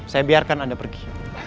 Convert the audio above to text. saya biarkan anda pergi